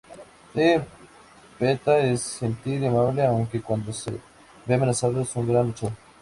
Peeta es gentil y amable, aunque cuando se ve amenazado, es un gran luchador.